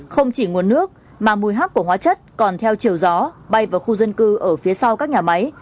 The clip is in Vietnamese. không chỉ nguồn nước mà mùi hắc của hóa chất còn theo chiều gió bay vào khu dân cư ở phía sau các nhà máy